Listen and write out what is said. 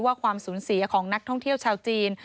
ความสูญเสียของนักท่องเที่ยวชาวจีน